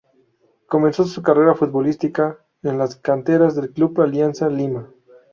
Comenzó su carrera futbolística en las canteras del Club Alianza Lima.